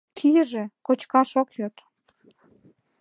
Кийыже — кочкаш ок йод.